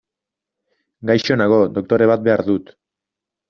Gaixo nago, doktore bat behar dut.